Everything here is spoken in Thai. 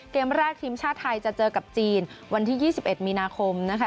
เกมแรกทีมชาติไทยจะเจอกับจีนวันที่๒๑มีนาคมนะคะ